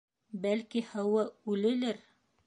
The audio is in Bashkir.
Бәлки һыуы үлелер.